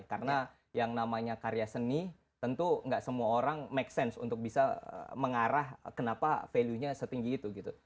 karena yang namanya karya seni tentu gak semua orang make sense untuk bisa mengarah kenapa value nya setinggi itu gitu